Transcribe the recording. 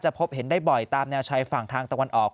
พบเห็นได้บ่อยตามแนวชายฝั่งทางตะวันออก